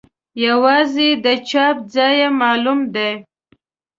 یوازې د چاپ ځای یې معلوم دی.